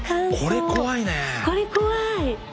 これ怖い！